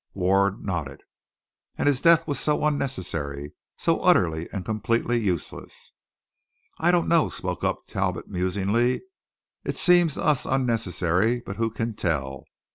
Ward nodded. "And his death was so unnecessary, so utterly and completely useless." "I don't know," spoke up Talbot musingly. "It seems to us unnecessary, but who can tell?